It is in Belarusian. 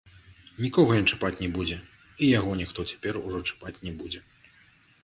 Нікога ён чапаць не будзе, і яго ніхто цяпер ужо чапаць не будзе.